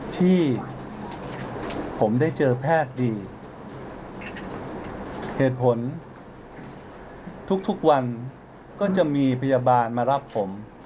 ที่ผมได้เจอแพทย์ดีเหตุผลทุกวันก็จะมีพยาบาลมารับผม